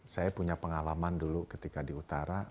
saya punya pengalaman dulu ketika di utara